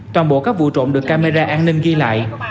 toàn bộ các vụ trộm được camera an ninh ghi lại